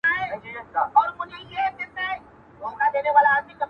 خو په بل جهان کی ستر قوي پوځونه!